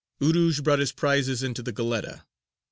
Urūj brought his prizes into the Goletta.